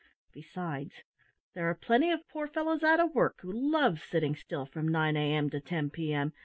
Besides, there are plenty of poor fellows out of work, who love sitting still from nine a.m. to ten p.m.